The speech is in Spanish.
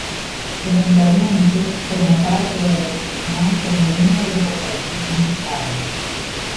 Eventualmente, formó parte de la agrupación como uno de los vocalistas principales.